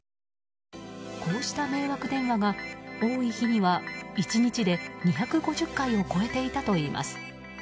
こうした迷惑電話が多い日には１日で２５０回を超えていたといいます。